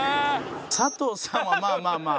佐藤さんはまあまあまあ。